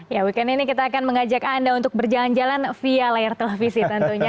ya weekend ini kita akan mengajak anda untuk berjalan jalan via layar televisi tentunya